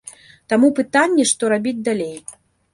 Таму пытанне, што рабіць далей.